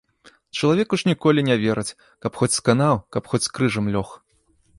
Чалавеку ж ніколі не вераць, каб хоць сканаў, каб хоць крыжам лёг.